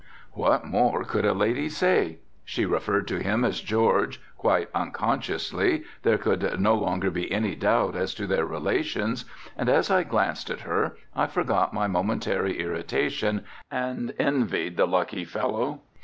What more could a lady say? She referred to him as George, quite unconsciously, there could no longer be any doubt as to their relations and as I glanced at her I forgot my momentary irritation and envied the lucky fellow.